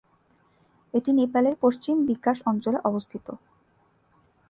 এটি নেপালের পশ্চিম বিকাশ অঞ্চলে অবস্থিত।